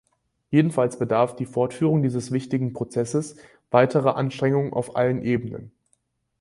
Jedenfalls bedarf die Fortführung dieses wichtigen Prozesses weiterer Anstrengungen auf allen Ebenen.